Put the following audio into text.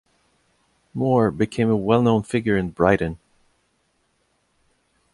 Moor became a well-known figure in Brighton.